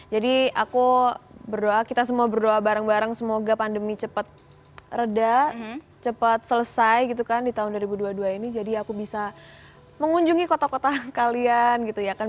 jadi aku berdoa kita semua berdoa bareng bareng semoga pandemi cepet reda cepet selesai gitu kan di tahun dua ribu dua puluh dua ini jadi aku bisa mengunjungi kota kota kalian gitu ya kan